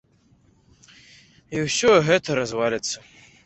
І ўсё гэта разваліцца.